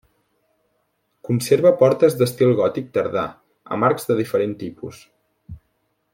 Conserva portes d'estil gòtic tardà amb arcs de diferent tipus.